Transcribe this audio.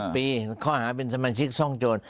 ๗ปีเขาอาหารเป็นสมัครชิกซ่องโจร